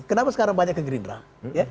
kenapa sekarang banyak ke green dress